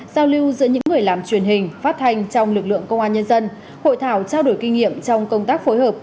giao lưu giữa những người làm truyền hình phát thanh trong lực lượng công an nhân dân hội thảo trao đổi kinh nghiệm trong công tác phối hợp